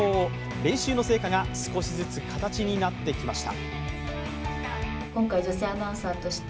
練習の成果が少しずつ形になってきました。